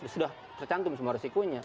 sudah tercantum semua resikonya